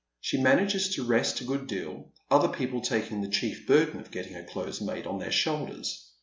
Slie manages to rest a good deal, other people taking the chief burden of getting her clothes made on their shoulders.